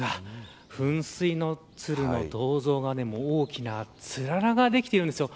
噴水の鶴の銅像が大きなつららができています。